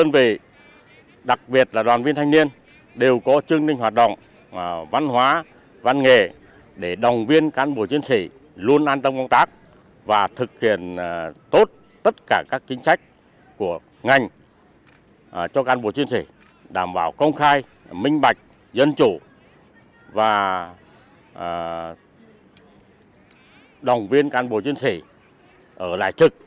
và đồng viên cán bộ chiến sĩ ở lại trực với một tinh thần cao nhất